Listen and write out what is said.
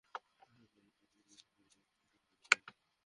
আমি বললাম, তোমরা সকলেই এ স্থান থেকে নেমে যাও।